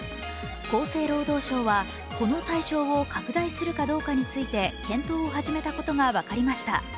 厚生労働省はこの対象を拡大するかどうかについて検討を始めたことが分かりました。